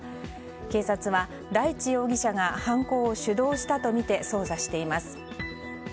警察は大地容疑者が犯行を主導したとみて捜査しています。